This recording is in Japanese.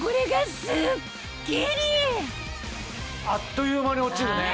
あっという間に落ちるね。